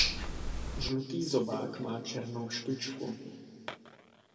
Žlutý zobák má černou špičku.